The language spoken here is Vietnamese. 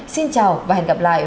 xin chào và hẹn gặp lại